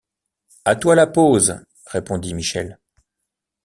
À toi la pose, répondit Michel.